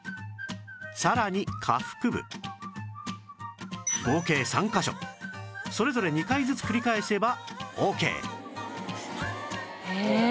さらに下腹部合計３カ所それぞれ２回ずつ繰り返せばオーケー